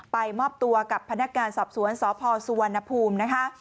ไปมอบตัวกับพนักงานสอบสวนสพสวนภูมิ